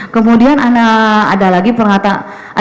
kemudian ada lagi perngataan